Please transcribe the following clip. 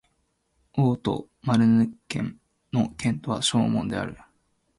オート＝マルヌ県の県都はショーモンである